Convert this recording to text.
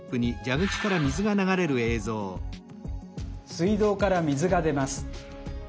水道から水が出ます。